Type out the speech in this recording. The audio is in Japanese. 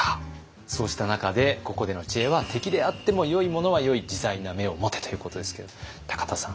そうした中でここでの知恵は「敵であっても良いものは良い自在な目を持て！」ということですけれども田さん。